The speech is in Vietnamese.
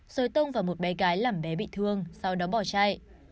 rồi tông vào một bé gái làm bé bị thương sau đó bỏ chạy